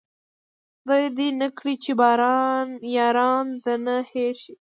خداې دې نه کړي چې ياران د ده نه هير شي